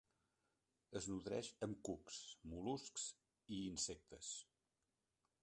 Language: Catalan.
Es nodreix amb cucs, mol·luscs i insectes.